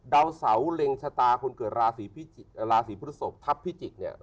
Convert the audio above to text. ดาวสาวเร็งชะตาคนเกิดราศีพฤศพภิจิกษ์เนี่ย